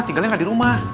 tinggalnya gak ada di rumah